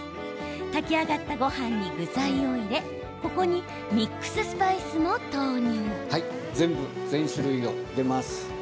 炊き上がったごはんに具材を入れここにミックススパイスも投入。